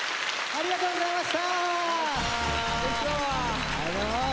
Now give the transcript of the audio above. ありがとうございます！